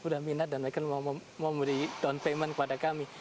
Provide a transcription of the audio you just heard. sudah minat dan mereka memberi down payment kepada kami